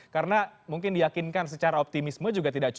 karena mungkin diakinkan secara optimisme juga tidak ada